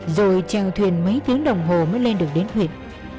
rồi treo thuyền mấy tiếng đồng hồ mới lên được đến huyện